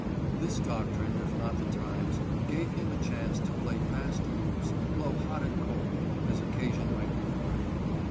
This doc trine, if not the times, gave him a chance to play fast and loose, blow hot and cold, as occasion might require.